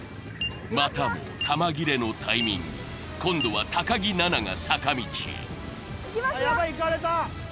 またも弾切れのタイミング今度は木菜那が坂道へいきますよあっやばいいかれた！